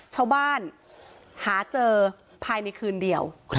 ชาวบ้านหาเจอภายในคืนเดียว